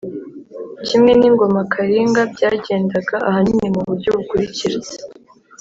kimwe n'ingoma karinga, byagendaga ahanini mu buryo bukurikira